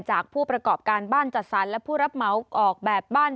ผู้ประกอบการบ้านจัดสรรและผู้รับเหมาออกแบบบ้าน